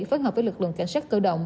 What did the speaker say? phối hợp với lực lượng cảnh sát cơ động